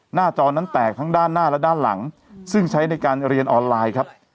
จอนั้นแตกทั้งด้านหน้าและด้านหลังซึ่งใช้ในการเรียนออนไลน์ครับ